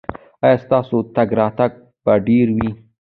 ایا ستاسو تګ راتګ به ډیر وي؟